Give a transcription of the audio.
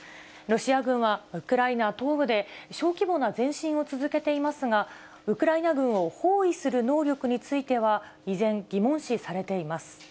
ロシア軍はウクライナ東部で小規模な前進を続けていますが、ウクライナ軍を包囲する能力については、依然、疑問視されています。